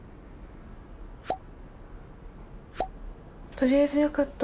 とりあえずよかった。